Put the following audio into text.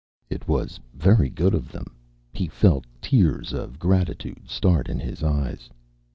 It was very good of them; he felt tears of gratitude start in his eyes.